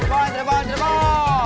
terbang terbang terbang